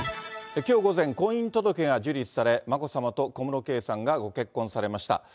きょう午前、婚姻届が受理され、眞子さまと小室圭さんがご結婚されました。